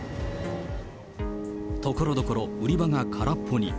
ところどころ、売り場が空っぽに。